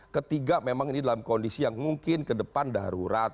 ketiga memang ini dalam kondisi yang mungkin kedepan darurat